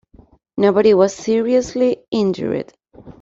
Nobody was seriously injured.